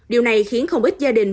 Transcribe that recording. điều này khiến không ít gia đình